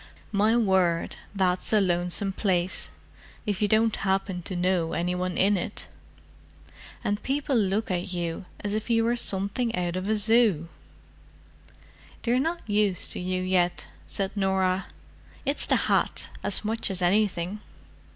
"My word, that's a lonesome place, if you don't happen to know any one in it. And people look at you as if you were something out of a Zoo." "They're not used to you yet," said Norah. "It's the hat, as much as anything."